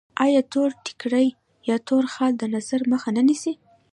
آیا تور ټیکری یا تور خال د نظر مخه نه نیسي؟